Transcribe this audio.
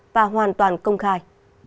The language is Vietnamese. và hoàn toàn công khai